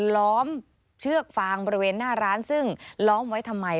ล้อมเชือกฟางบริเวณหน้าร้านซึ่งล้อมไว้ทำไม